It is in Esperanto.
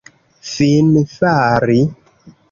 finfari